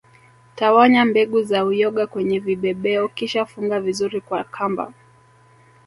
Tawanya mbegu za uyoga kwenye vibebeo kisha funga vizuri kwa kamba